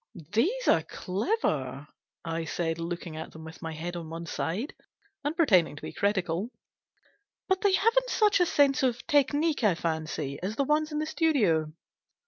" These are clever," I said, looking at them with my head on one side, and pretending to be critical ;" but they haven't such a sense of technique, I fancy, as the ones in the studio."